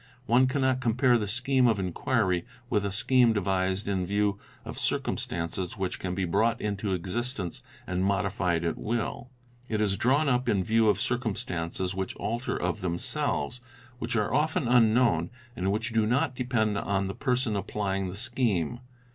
One cannot compare the scheme of inquiry with a scheme devised in view of circum 'stances which can be brought into existence and modified at will. It is drawn up in view of circumstances which alter of themselves, which are often unknown, and which do not depend on the person applying the scheme.